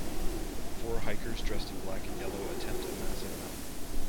Four hikers dressed in black and yellow attempt a massive mountain.